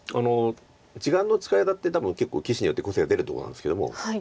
時間の使い方って多分結構棋士によって個性が出るとこなんですけども。